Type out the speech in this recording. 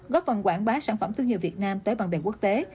góp phần quảng bá sản phẩm thương hiệu việt nam tới bàn bề quốc tế